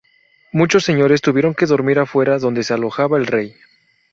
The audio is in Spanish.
Muchos señores tuvieron que dormir afuera donde se alojaba el rey.